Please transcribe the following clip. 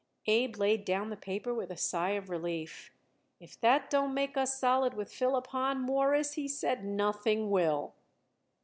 Abe laid down the paper with a sigh of relief. "If that don't make us solid with Philip Hahn, Mawruss," he said, "nothing will."